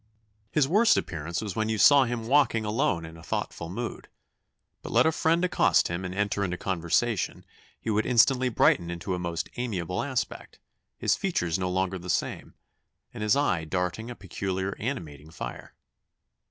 His worst appearance was when you saw him walking alone in a thoughtful mood, but let a friend accost him and enter into conversation, he would instantly brighten into a most amiable aspect, his features no longer the same, and his eye darting a peculiar animating fire.